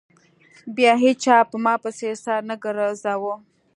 بيا هېچا په ما پسې سر نه گرځاوه.